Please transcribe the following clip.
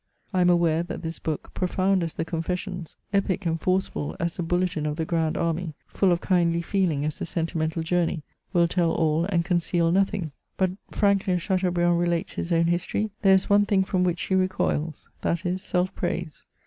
I am aware that this book, profound as the Confessions, epic and forceful as a Bulletin of the Grand Army," full of kindly feeling as the Sentimental Journey," wiU tell ill, and conceal nothing. But, frankly as Chateaubriand relates his own history, there is one thing from which he recoils, that is, self praise.